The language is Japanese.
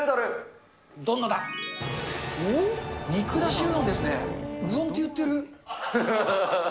うどんって言ってる。